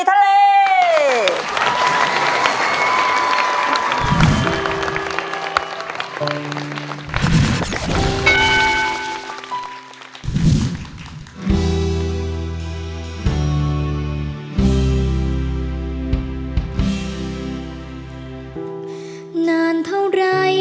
เธอไม่เคยโรศึกอะไร